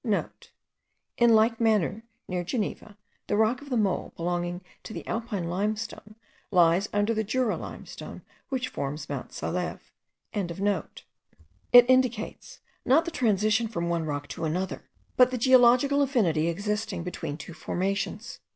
*(* In like manner, near Geneva, the rock of the Mole, belonging to the Alpine limestone, lies under the Jura limestone which forms Mount Saleve.) It indicates, not the transition from one rock to another, but the geological affinity existing between two formations.